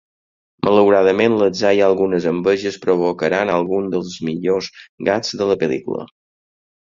Malauradament, l'atzar i algunes enveges provocaran alguns dels millors gags de la pel·lícula.